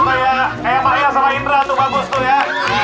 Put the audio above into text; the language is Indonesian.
kayak kayak sama indra tuh bagus tuh ya